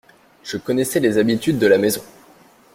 Je connaissais les habitudes de la maison.